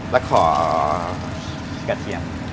แล้วขอกระเทียม